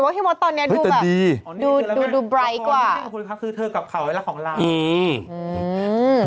เป็นการกระตุ้นการไหลเวียนของเลือด